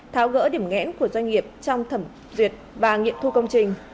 tháo gỡ điểm nghẽn của doanh nghiệp trong thẩm duyệt và nghiệm thu công trình